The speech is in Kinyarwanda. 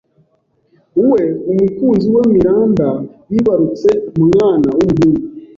we umukunzi we Miranda bibarutse mwana w’umuhungu